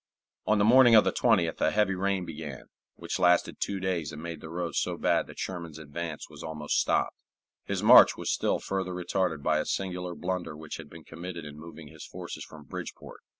On the morning of the 20th a heavy rain began, which lasted two days and made the roads so bad that Sherman's advance was almost stopped. His march was still further retarded by a singular blunder which had been committed in moving his forces from Bridgeport.